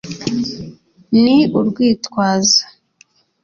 ni urwitwazo